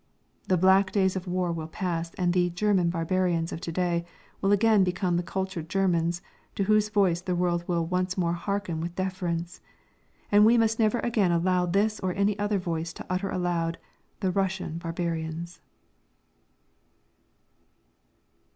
The black days of war will pass, and the "German barbarians" of to day will again become cultured Germans, to whose voice the world will once more hearken with deference. And we must never again allow this or any other voice to utter aloud: "The Russian barbarians."